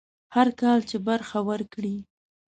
هر کال چې برخه ورکړي.